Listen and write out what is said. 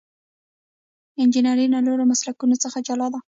انجنیری له نورو مسلکونو څخه جلا ده.